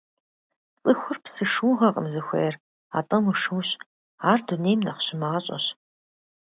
ЦӀыхур псы шыугъэкъым зыхуейр, атӀэ мышыущ, ар дунейм нэхъ щымащӀэщ.